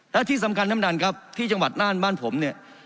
และที่สำคัญท่านประธานครับที่จังหวัดน่านบ้านผมเนี่ย